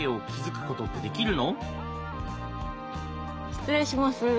失礼します。